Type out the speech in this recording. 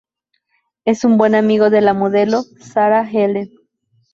Es buen amigo de la modelo Sarah Ellen.